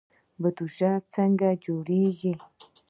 بودجه څنګه جوړیږي؟